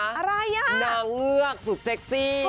อะไรอ่ะนางเงือกสุดเซ็กซี่